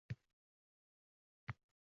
Frank Kafka